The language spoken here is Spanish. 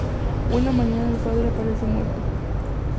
Una mañana el padre aparece muerto.